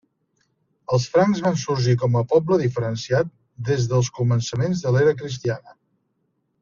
Els francs van sorgir com a poble diferenciat des dels començaments de l'era cristiana.